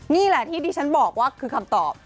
นี่แหละที่ที่ฉันบอกว่าคือคำตอบ